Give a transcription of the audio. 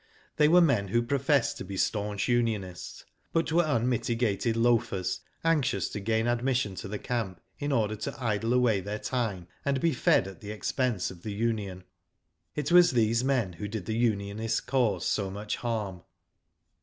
They were men who professed to be staunch unionists, but were unmitigated loafers, anxious to gain admittance to the camp, in order to idle away their time and be fed at the expense of the union. It was these men who did the unionists cause so much harm.